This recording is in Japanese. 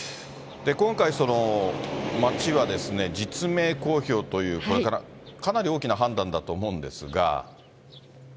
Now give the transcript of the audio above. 今回、町は実名公表という、これ、かなり大きな判断だと思うんですが。